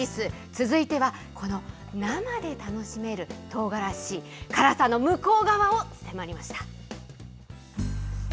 続いてはこの、生で楽しめるとうがらし、辛さの向こう側を迫りました。